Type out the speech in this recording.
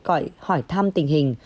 gọi hỏi thăm tình hình